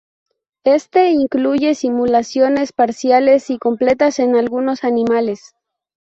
Éste incluye simulaciones parciales y completas en algunos animales.